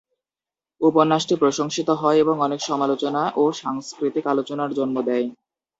উপন্যাসটি প্রশংসিত হয় এবং অনেক সমালোচনা ও সাংস্কৃতিক আলোচনার জন্ম দেয়।